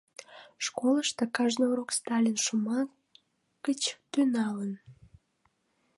Школышто кажне урок «Сталин» шомак гыч тӱҥалын.